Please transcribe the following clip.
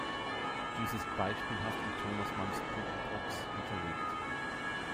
Dies ist beispielhaft in Thomas Manns Buddenbrooks belegt.